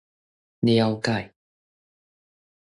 了解